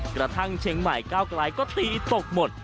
กระทั่งเชียงใหม่ก้าวกลายก็ตีตกหมด